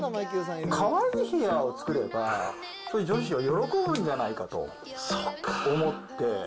かわいい部屋を作れば、女子は喜ぶんじゃないかと思って。